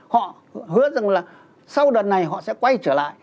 họ hứa rằng là sau đợt này họ sẽ quay trở lại